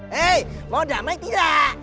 hei mau damai tidak